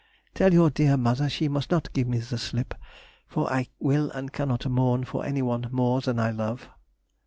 Tell your dear mother she must not give me the slip, for I will and cannot mourn for anyone more that I love.